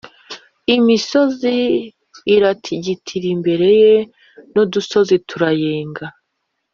Imisozi iratigitira imbere ye n’udusozi turayenga